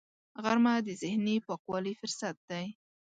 غرمه د ذهني پاکوالي فرصت دی